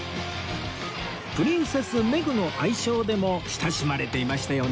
プリンセス・メグの愛称でも親しまれていましたよね